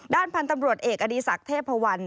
พันธุ์ตำรวจเอกอดีศักดิ์เทพวัน